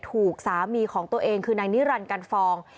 ถูกสามีของตัวเองคือนายนิรันดิกันฟอง